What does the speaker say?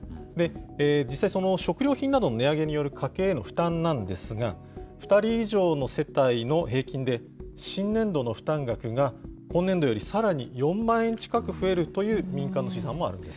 実際その食料品などの値上げによる家計への負担なんですが、２人以上の世帯の平均で、新年度の負担額が今年度よりさらに４万円近く増えるという民間の試算もあるんです。